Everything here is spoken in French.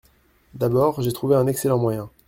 D’abord, j’ai trouvé un excellent moyen…